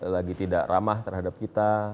lagi tidak ramah terhadap kita